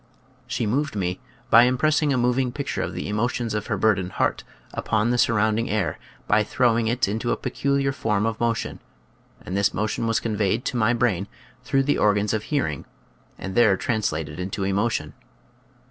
She moved me by im pressing a moving picture of the emotions of her burdened heart upon the surrounding air by throwing it into a peculiar form of mo tion, and this motion was conveyed to my brain through the organs of hearing and there translated into emotion.